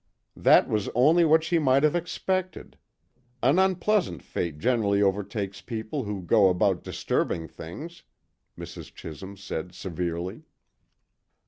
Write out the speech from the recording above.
"That was only what she might have expected. An unpleasant fate generally overtakes people who go about disturbing things," Mrs. Chisholm said severely.